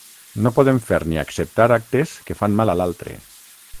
No podem fer ni acceptar actes que fan mal a l’altre.